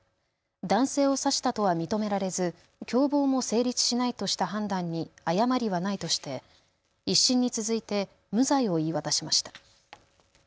男性を刺したとは認められず共謀も成立しないとした判断に誤りはないとして１審に続いて無罪を言い渡しました。